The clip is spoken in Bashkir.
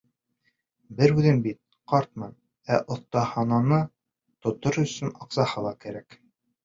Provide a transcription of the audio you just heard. Бер үҙем бит, ҡартмын, ә оҫтахананы тотор өсөн аҡсаһы ла кәрәк.